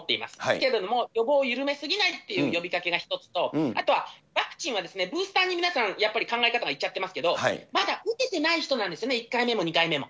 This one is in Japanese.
けれども予防を緩め過ぎないという呼びかけが一つと、あとは、ワクチンはブースターに皆さんやっぱり考え方がいっちゃってますけど、まだ打ててない人なんですね、１回目も２回目も。